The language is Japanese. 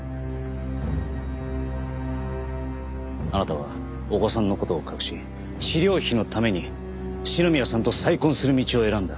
あなたはお子さんの事を隠し治療費のために篠宮さんと再婚する道を選んだ。